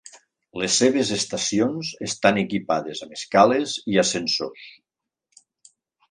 Les seves estacions estan equipades amb escales i ascensors.